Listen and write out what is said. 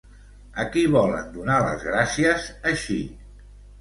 A qui volen donar les gràcies, així?